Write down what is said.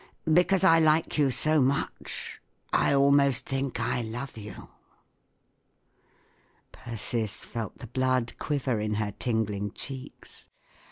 Because 1 like you so much, I almost think I love you!" Persis felt the blood quiver in her tingling cheeks.